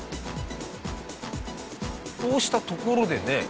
こうしたところでね。